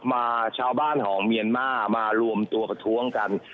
มาชาวบ้านของเมียนมาร์มารวมตัวประท้วงกัน